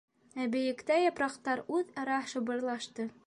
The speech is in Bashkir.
Ә бейектә япраҡтар үҙ-ара шыбырлашты.